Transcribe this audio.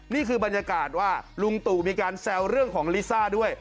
นี่คือบรรยากาศว่าลุงตู่มีการแซวเรื่องของลิซ่าด้วย